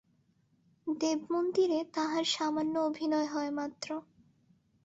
দেবমন্দিরে তাহার সামান্য অভিনয় হয় মাত্র।